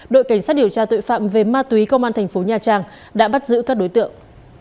đội cảnh sát điều tra tội phạm về ma túy công an thành phố nha trang đã bắt giữ các đối tượng